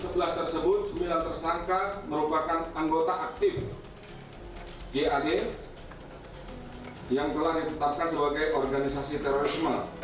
sebelas tersebut sembilan tersangka merupakan anggota aktif gad yang telah ditetapkan sebagai organisasi terorisme